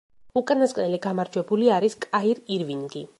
უკანასკნელი გამარჯვებული არის კაირ ირვინგი.